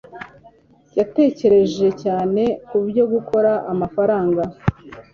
Yatekereje cyane kubyo gukora amafaranga